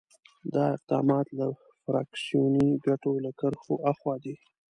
دا اقدامات له فراکسیوني ګټو له کرښو آخوا دي.